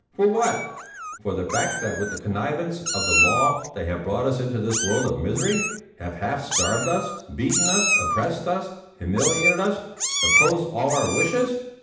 "For what? For the fact that with the connivance of the law they have brought us into this world of misery, have half starved us, beaten us, oppressed us, humiliated us, opposed all our wishes?